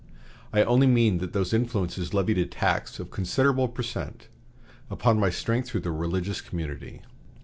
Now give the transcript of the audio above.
I only mean that those influences levied a tax of a considerable per cent. upon my strength throughout the religious community."